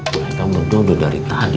mereka berdono dari tadi